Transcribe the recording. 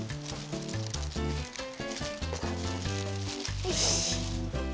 よし。